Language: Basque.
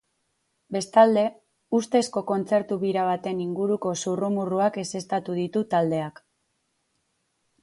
Bestalde, ustezko kontzertu bira baten inguruko zurrumurruak ezeztatu ditu taldeak.